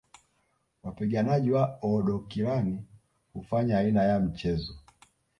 Wapiganaji wa Oodokilani hufanya aina ya mchezo